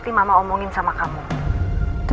ternyata dia mau ketemu sama mandin